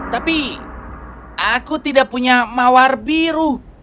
tapi aku tidak punya mawar biru